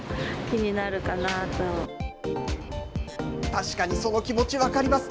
確かにその気持ち分かります。